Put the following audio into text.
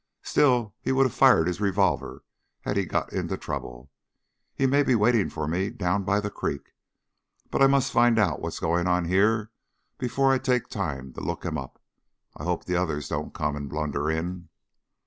Still, he would have fired his revolver had he got into trouble. He may be waiting for me down by the creek. But I must find out what's going on here before I take time to look him up. I hope the others don't come and blunder in."